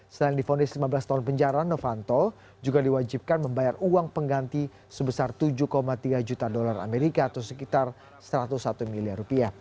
selain difonis lima belas tahun penjara novanto juga diwajibkan membayar uang pengganti sebesar tujuh tiga juta dolar amerika atau sekitar satu ratus satu miliar rupiah